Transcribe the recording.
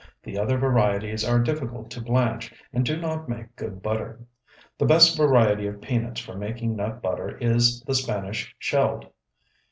The other varieties are difficult to blanch and do not make good butter. The best variety of peanuts for making nut butter is the Spanish shelled.